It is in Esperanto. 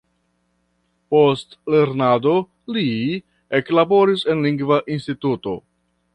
Post lernado li eklaboris en lingva instituto.